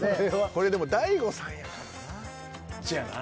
これでも大悟さんやからな。